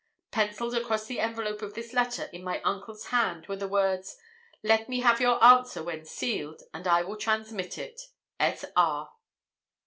Pencilled across the envelope of this letter, in my uncle's hand, were the words, 'Let me have your answer when sealed, and I will transmit it. S.R.'